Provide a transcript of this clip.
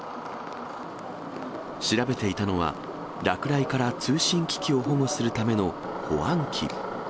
調べていたのは、落雷から通信機器を保護するための保安器。